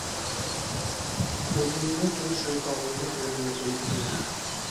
O‘zingizni turmush o‘rtog‘ingiz o‘rniga qo‘yib ko‘ring.